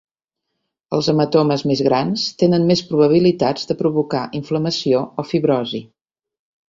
Els hematomes més grans tenen més probabilitats de provocar inflamació o fibrosi.